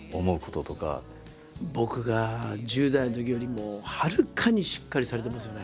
僕が１０代のときよりもはるかにしっかりされてますよね。